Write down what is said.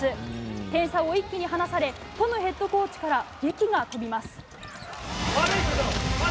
点差を一気に離されトムヘッドコーチから檄が飛びます。